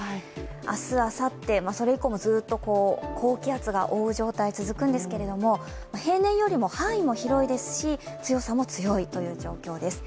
明日あさって、それ以降もずっと高気圧が覆う状態が続くんですけれども平年よりも範囲も広いですし強さも強いという状況です。